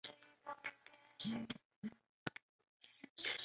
文昌航天发射场即位于龙楼镇境内。